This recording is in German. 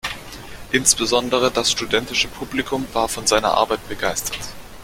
Insbesondere das studentische Publikum war von seiner Arbeit begeistert.